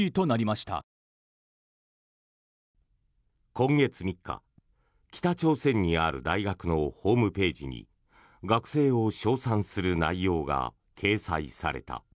今月３日、北朝鮮にある大学のホームページに学生を称賛する内容が掲載された。